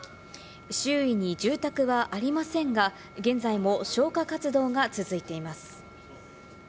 周囲に住宅はありませんが、現在も消火活動が続いています。